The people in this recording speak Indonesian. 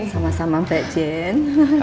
sama sama mbak jen